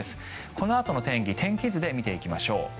このあとの天気天気図で見ていきましょう。